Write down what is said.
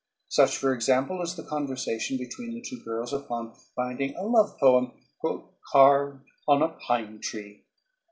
Such, for example, is the conversation between the two girls upon finding a love poem "carved on a pine tree."